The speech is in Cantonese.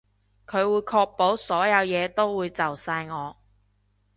佢會確保所有嘢都會就晒我